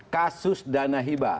kasus dana hibak